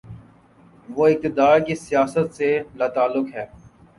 وہ اقتدار کی سیاست سے لاتعلق ہے۔